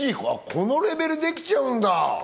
このレベルできちゃうんだ